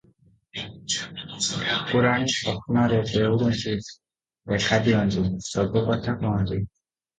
ଠାକୁରାଣୀ ସ୍ୱପ୍ନରେ ଦେଉରୀକୁ ଦେଖାଦିଅନ୍ତି, ସବୁ କଥାକହନ୍ତି ।